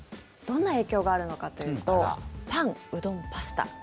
どんな影響があるのかというとパン、うどん、パスタ